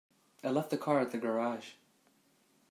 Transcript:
I left the car at the garage.